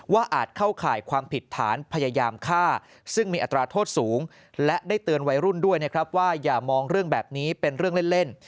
อาจเข้าข่ายความผิดฐานพยายามฆ่าซึ่งมีอัตราโทษสูงและได้เตือนวัยรุ่นด้วยนะครับว่าอย่ามองเรื่องแบบนี้เป็นเรื่องเล่น